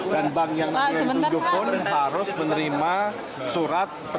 dan bank yang menunjukkan harus menerima surat penerbitan